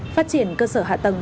phát triển cơ sở hạ tầng